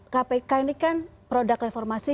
kpk ini kan produk reformasi